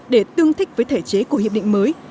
để tương thích với thể chế của hiệp định mới